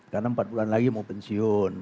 karena empat bulan lagi mau pensiun